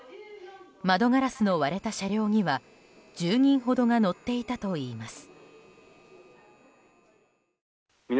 窓ガラスの割れた車両には１０人ほどが乗っていたといいます。